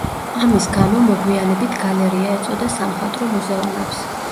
ამის გამო, მოგვიანებით გალერეა ეწოდა სამხატვრო მუზეუმებს.